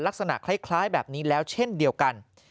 ลักษณะคล้ายแบบนี้แล้วเช่นเดียวกัน